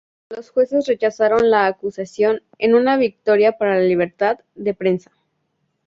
Los jueces rechazaron la acusación, en una victoria para la libertad de prensa.